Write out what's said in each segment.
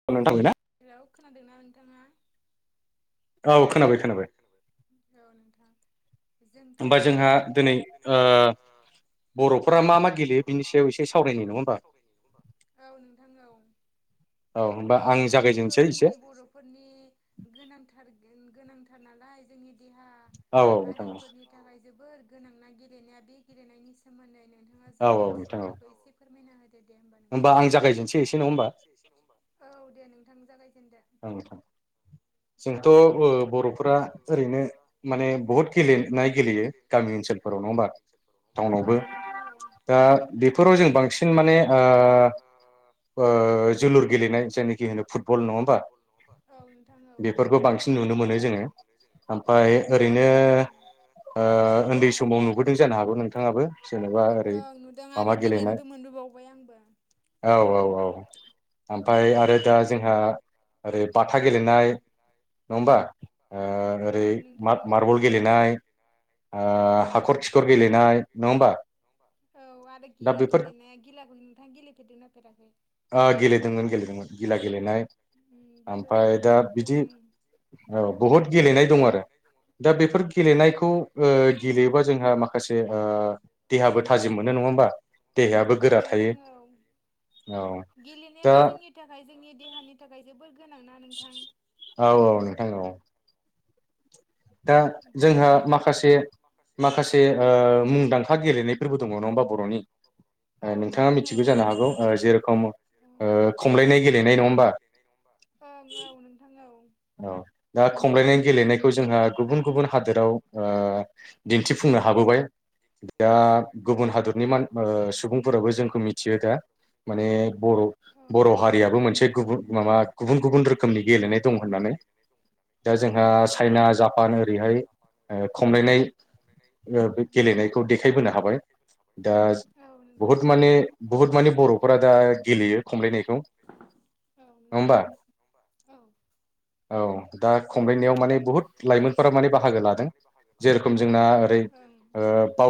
[inaudible] Hello खोनादोंना नोंथाङा? औ खोनाबाय खोनाबाय, औ नोंथां। जोंथ', होनबा जोंहा दिनै ओ बर'फोरा मा मा गेलेयो बेनि सायाव एसे सावरायनि नङा होमबा? औ नोंथां औ। गेलेनायाबोथ' जोंनि बर' फोरनि गोनांथार गोनांथार नालाय, जोंनि देहा आरिफोरनि नि थाखाय जोबोर गोनांना गेलेनाया। बे गेलेनायनि सोमोन्दै नोंथाङा जा मिथियो बेखौ एसे फोरमायना होदो दे होमबा नोंथां। होमबा आं जागायजेनसै एसे नङा होनबा? औ दे नोंथां जागायजेनदो। जोंथ' ओ बर'फोरा ओरैनो माने बहुद गेलेनाय गेलेयो गामि ओनसोलफोराव नङा होमबा? टाउनावबो दा बेफोराव जों बांसिन माने ओ ओ जोलुर गेलेनाय जायनाखि होनो फुटबल नङा होमबा? औ नोंथां औ बेफोरखौ बांसिन नुनो मोनो जोङो। ओं नुयो नोंथां, ओरैनो ओ ओन्दै समाव नुबोदों जोङो, ओं नुदों आरो गेलेनोबो मोनबोबाव बाय आंबो। औ औ औ, ओमफ्राय आरो दा जोंहा ओरै बाथा गेलेनाय नङा होनबा? ओ ओरै मा-मार्बल गेलेनाय ओ हाखर खि [unintelligible] औ आरो गिला गेलेनाय गिलाखौ नोंथाङा गेलेफेरदोंना फेराखै? ओ गेलेदोंमोन गेलेदोंमोन, गिला गेलेनाय आमफ्राय दा बिदि औ बहुद गेलेनाय दं आरो। दा बेफोर गेलेनायखौ ओ गेलेयोबा जोंहा माखासे ओ देहाबो थाजिम मोनो नङा होमबा, देहायाबो गोरा थायो। गेलेनायाबो जोंनि थाखाय जोंनि देहानि थाखाय जोबोर गोनांना नोंथां? औ। दा जोंहा माखासे माखासे ओ मुंदांखा गेलेनायफोरबो दङ नङा होनबा बर'नि। [inaudible] ओ नोंथाङा मिथिगौ जानो हागौ ओ जेरेखम ओ खमलायनाय गेलेनाय नङा होमबा? ओं औ नोंथां औ। औ दा खमलायनाय गेलेनायखौ जोंहा गुबुन गुबुन हादोराव ओ दिन्थिफुंनो हाबोबाय दा गुबुन हादरनि मान ओ सुबुंफोराबो जोंखौ मि मिथियो दा माने बर' बर' हारियाबो मोनसे गुबु माबा गुबुन गुबुन रोखोमनि गेलेनाय दं होननानै। दा जोंहा चाइना, जापान ओरैहाय ओ खमलायनाय ओ बे गेलेनायखौ देखायबोनो हाबाय, दा ज बहुद माने बुहुद माने बर'फोरा दा [unintelligible] गेलेयो, औ नोंथां औ [unintelligible] औ दा खमलायनायाव माने बुहुत लाइमोनफोरा माने बाहागो लादों। जेरेखम जोंना ओरै ओं, जेरखम जोंना ओरै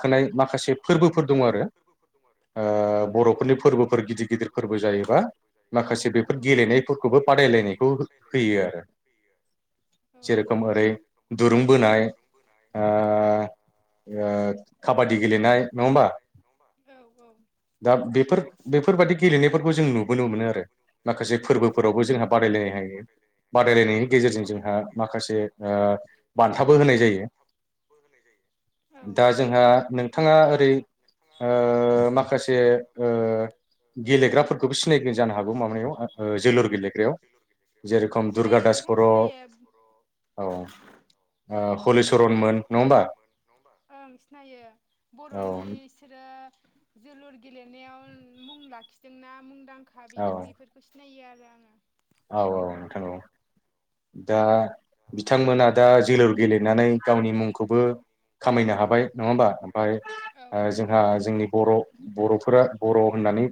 ओ बावखुंग्रि गाखोनाय माखासे फोरबोफोर दं आरो औ नोंथां औ। ओ बर'फोरनि फोरबोफोर गिदिर गिदिर फोरबो जायोबा माखासे बेफोर गेलेनायफोरखौबो बादायलायनायखौ होयो आरो। जेरखम ओरै दुरुं बोनाय ओ ओ काबाददि गेलनाय नङा होमबा? औ औ। दा बेफोर बेफोरबादि गेलेनायफोरखौ जों नुबोनो मोनो आरो। माखासे फोरबोफोरावबो जोंहा बादायलायनो हायो। [unintelligible] बादायलायनायनि गेजेरजों जोंहा माखासे ओ बान्थाबो होनाय जायो। बो होनाय जायो। दा जोंहा बिथाङा ओरै ओ माखासे ओ गेलेग्राफोर बेखौ सिनायदों जानो हागौ मालाबा ओ जोलुर गेलेग्रायाव जेरेखम दुर्गा दास बर' ओ औ ओ कलिचरन मोन नङा होमबा ओं सिनायो बर'नि बिसोरो जोलुर गेलेनायाव मुं लाखिदोंना मुंदांखा बेखो-बेफोर खो सिनायो आरो आङो औ औ नोंथां औ दा बिथांमोना दा जिलुर गेलेनानै गावनि मुंखौबो खामायनो हाबाय। नङा होमबा ओमफाय ओ जोंहा जोंनि बर' बर'फोरा बर' होननानै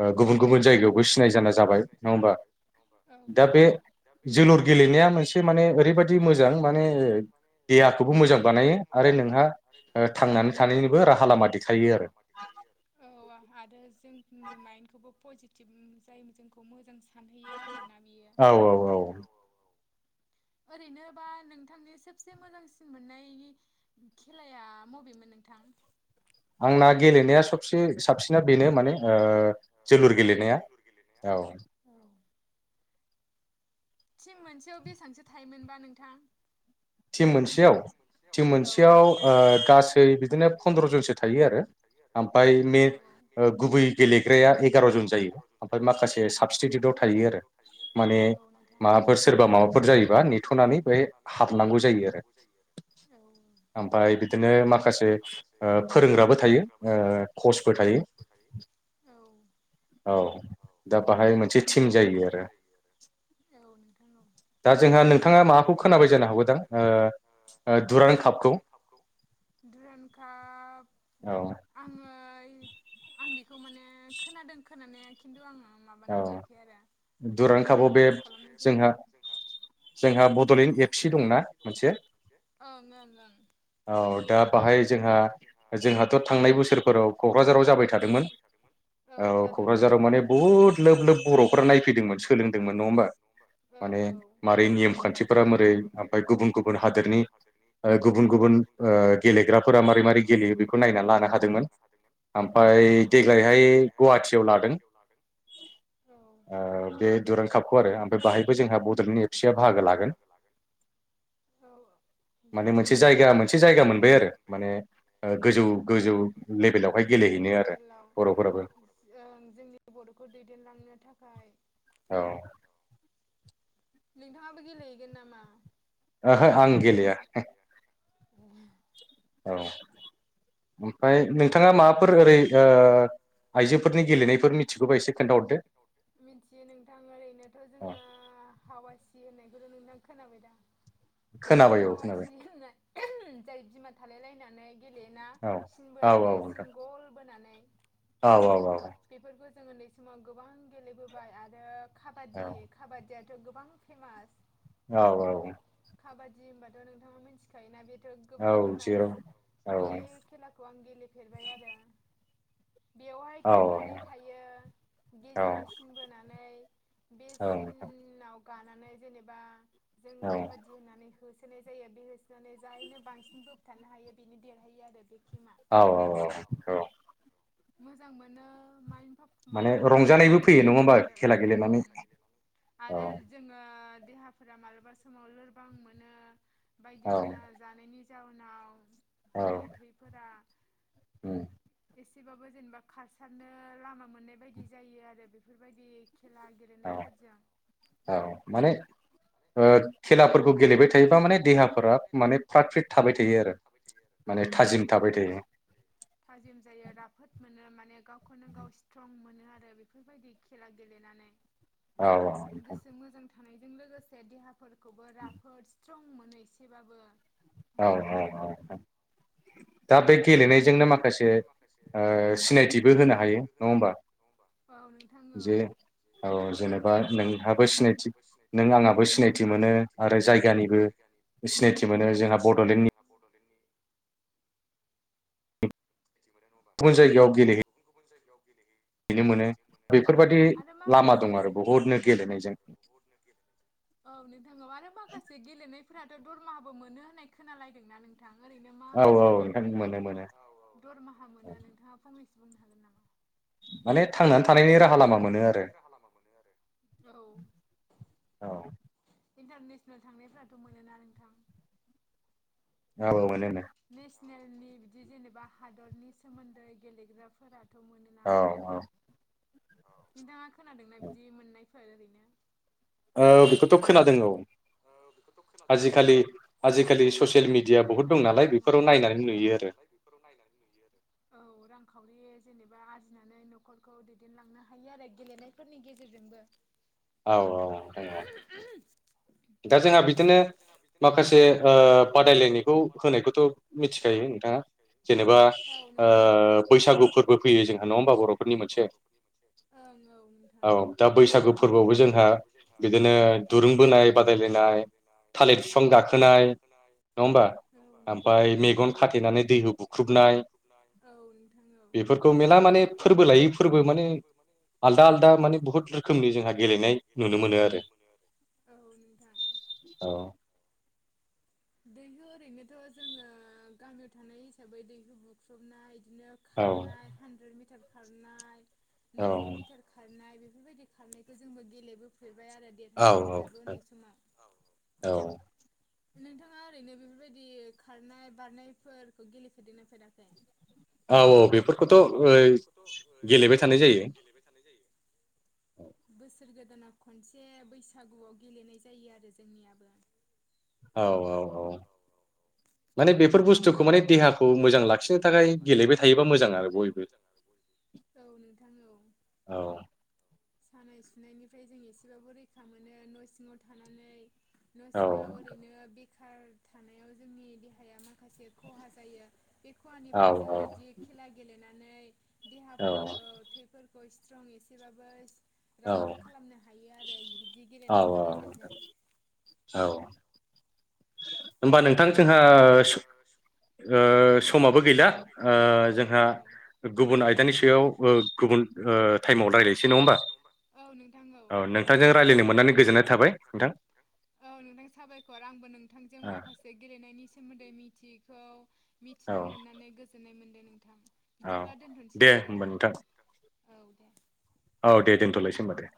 ओ गुबुन गुबुन जायगायावबो सिनाय जाना जाबाय। नङा होमबा? नङामबा दा बे जोलुर गेलेनाया मोनस बे माने ओरैबादि मोजां माने देहाखौबो मोजां बानायो आरो नोंहा ओ थांनानै थानायनिबो राहा लामा देखायो आरो। माथिखायो आरो। औ आहारो जोंनि माइन्दडखौबो पजिटिभ उम जाय जोंखौ मोजां सानहैयो आरोना बियो औ औ ओरैनोबा नोंथांनि सोबसे मोजांसिन मोन्नाय खेलाया मबेमोन नोंथां? आंना गेलेनाया सबसे साबसिना बेनो माने ओ जोलुर जोलुर गेलेनाया औ टिम मोनसेयाव बेसांसो थायोमोनबा नोंथां? टिम मोनसेयाव टिम मोनसेयाव ओ गासै बिदिनो फन्द्र' जनसो थायो आरो। आमफाय मे ओ गुबै गेलेग्राया एगार' जन जायो आमफाय माखासे साबस्टिथिउट आव थायो आरो माने माबाफोर सोरबा माबाफोर जायोबा नेथ'नानै बै हाबनांगौ गौ जायो। आमफाय बिदिनो माखासे ओ फोरोंग्राबो थायो ओ कचबो थायो औ औ दा बाहाय मोनसे टिम जायो आरो। दा जोंहा नोंथाङा माबाखौ खोनाबाय जानो हागौदां ओ ओ ओ दुरान कापखौ दुरान काप आङो ओइ आं बेखौ माने खोनादों खोनानाया खिन्थु आङो माबानाय जायाखै आरो बांद्राय नटिस खालामनाय जायाखै जोंहा जोंहा बड'लेण्ड एफ सि दंना मोनसे ओं ओं ओं। औ दा बाहाय जोंहा जोंहाथ' थांनाय बोसोरफोराव क'क्राझाराव जाबाय थादोंमोन। औ क'क्राझाराव माने बुहुद लोब लोब बर'फ्रा नायफैदोंमोन सोलोंदोंमोन नङा होमबा माने मारै नियम खान्थिफ्रा मोरै आमफाय गुबुन गु बुन हादोरनि ओ गुबुन गुबुन ओ गेलेग्राफोरा मारै मारै गेलेयो बेखौ नायना लानो हादोंमोन। आमफाय देग्लायहाय गहाटीयाव लादों। लादों ओ बे दुरान कापखौ आरो आमफाय बाहायबो जोंहा बड'लेण्ड एफ सि या बाहागो लागोन। औ औ माने मोनसे जायगा मोनसे जायगा मोनबाय आरो माने गोजौ गोजौ गोजौ लेबेलाव ज ओं जोंनि बर'खौ दैदेनलांनो थाखाय औ नोंथांङाबो गेलेहैगोन नामा? ओहो आं गेलेया हो ए औ ओमफ्राय नोंथांङा माबाफोर ओरै ओ आइजोफोरनि गेलेनायफोर मिथिगौबा एसे खोन्थाहरदो। मिनथियो नोंथां ओरैनोथ' जोंङो हावासि होननायखौथ' नोंथां खोनाबाय दां हावासि होननाय जाय बिमा थालाय लायनानै गेलेयोना सिन बोनानै सिन गल बोनानै औ औ औ बेफोरखौ जों उन्दै समाव गोबां गेलेबोबाय आरो काबादी काबादीयाथ' गोबां फेमास औ औ काबादी होनबाथ' नोंथांङा मिथिखायोना बेथ' गोबां फेमास बे केलाखौ आं गेलेफेरबाय आरो बेवहाय थिम मोननै थायो गेजेराव सिन बोनानै बे सिनाव गानानै जेनेबा जों काबादी बिदि होननानै होसोनाय जायो बे होसोनानै जायनो बांसिन बोबथानो हायो बेनो देरहायो आरो बे थिमा। औ औ औ औ मोजां मोनो माइनफब माइनाबो पजिटिभ थायो ओरो उम आरो जोंङो देहाफोरा मालाबा समाव लोरबां मोनो बायदिसिना जानायनि जाउनाव जोंनि थैफोरा उम एसेबाबो जेनेबा खारसारनो लामा मोननाय बायदि जायो आरो बेफोरबायदि खेला गेले गेलेनायफोरजों औ माने ओ खेलाफोरखौ गेलेबाय थायोबा माने देहाफोरा माने फ्राट फ्रिट थाबाय थायो आरो। माने थाजिम थाबाय थायो। थाजिम जायो राफोद मोनो माने गावखौनो गाव स्ट्रं मोनो आरो बेफोरबायदि खेला गेलेनानै। गोसो मोजां थानायजों लोगोसे देहाफोरखौबो राफोद स्ट्रं मोनो एसेबाबो औ औ औ नोंथां दा बे गेलेनायजोंनो माखासे ओ सिनायथिबो होनो हायो नंङा होमबा? औ नोंथां औ औ जेनेबा बा नोंहाबो सिनायथि नों आंङाबो सिनायथि मोनो आरो जायगानिबो सिनायथि मोनो जोंहा थि मोनो जोंहा बड'लेण्डनि थि मोनो नंङा होबा? जोंहा गुबुन गुबुन जायगायाव गेलेहैयो। हैनो मोनो बेफोरबादि लामा दं आरो बुहुतनो गेलेनायजों औ नोंथां आरो माखासे गेलेनायफोराथ' दरमाहाबो मोनो होननाय खोनालायदोंना नों थां ओरैनो मा-मा खेलाफोरा इदि औ औ दरमाहा मोनो नोंथाङा फंनैसो बुंनो हागोन नामा? माने थांनानै थानायनि माने थांनानै थानायनि राहा लामा मोनो आरो औ इन्टारनेसनेल थांनायफ्राथ' मोनोना नोंथां औ मोनो नो नेसनेलनि बिदि जेनेबा हादरनि सोमोन्दै गेलेग्राफोरा थ' मोनोना औ नोंथाङा खोनादोंना बिदि मोननायफोर ओरैनो औ बेखौथ' खोनादों औ औ बेखौथ' खोनादों औ। थांनानै थानायनि थाखाय राहा लामा आजिखालि-आजिखालि ससियेल मिडिया बहुद दं नालाय फोराव नायनानै नुयो आरो। औ रांखावरि जेनेबा आरजिनानै न'खरखौ दैदेनलांनो हायो आरो गेलेनायफोरनि गेजेरजोंबो। औ औ नोंथां औ। दा जोंहा बिदिनो माखासे ओ बादायलायनायखौ होनायखौथ' मिथिखायो नोंथाङा जेनेबा ओ बैसागु फोरबो फैयो जोंहा नङा होमबा बर'फोरनि मोनसे औ दा बैसागु फोरबोआवबो जोंहा बिदिनो दुरुं बोनाय नाय बादायलायनाय थालेर फिफां गाखोनाय नड़ा होमबा ओमफाय मेगन खाथेनानै दैहु बुख्रुबनाय बेफोरखौ मेला माने फोरबो लायै फोरबो माने आलदा-आलदा माने बुहुत रोखोमनि जोंहा गेलेनाय नुनो मोनो आरो। औ नोंथां औ दैहो ओरैनोथ' जोङो गामियाव थानाय हिसाबै दैहु बुख्रुबनाय इदिनो खारनाय हानद्रेद मिटार खारनाय नैजौ मिटार खारनाय बेफोरबायदि खारनायखौ जोंबो गेलेबोफेरबाय आरो देरहाबोफेरबायबो ओन्दै समाव। औ नोंथाङा ओरैनो बेफोरबायदि खारनाय बारनायफोरखौ गेलेफेरदों ना गेलेफेराखै? औ औ बेफोरखौथ' ओइ गेलेबाय थानाय जायो गेलेबाय थानाय जायो। बोसोर गोदानाव खनसे बैसागुआव गेलेनाय जायो आरो जोंनियाबो। औ औ औ माने बेफोर बुस्थुखौ माने देहाखौ मोजां लाखिनो थाखाय गेलेबाय थायोबा मोजां आरो बयबो। औ नोंथां औ औ सानाय सुनायनिफ्राय जों एसेबाबो रैखा मोनो न' सिङाव थानानै न' सिङाव ओरैनो बेखार थानायाव जोंनि देहाया माखासे खहा जायो। बे खहानिफ्राय जोङो इदि खेला गेलेनानै देहाफोरखौ थैफोर खौ स्ट्रं एसेबाबो राफोद खालामनो हायो आरो बिदि गेलेनायनि गेजेरजों। औ होमबा नोंथां जोंहा [unintelligible] ओ समाबो गैला ओ जोंहा गुबुन आयदानि सायाव ओ गुबुन ओ थाइमाव रायलायनोसै नङा होमबा? औ नोंथांजों रायलायनो मोननानै गोजोननाय थाबाय नोंथां [inaudible] औ नोंथां साबायखर आंबो नोंथांजों माखासे गेलेनायनि सोमोन्दै मिथियैखौ मिथिनो मोननानै गोजोननाय मोनदो नोंथां। बिदिब्ला औ दोनथ'नोसै नामा नोंथां। दे [unintelligible] औ दे औ दे दोनथ'लायसै होनबा दे।